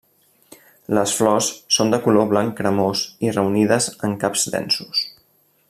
Les flors són de color blanc cremós i reunides en caps densos.